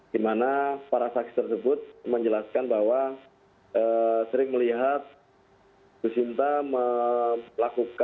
di mana para saksi tersebut menjelaskan bahwa sering melihat ibu sinta melakukan